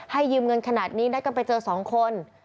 ยืมเงินขนาดนี้นัดกันไปเจอสองคน